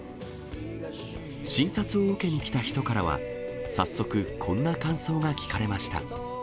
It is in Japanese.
診察を受けに来た人からは、早速、こんな感想が聞かれました。